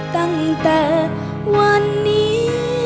ตั้งแต่วันนี้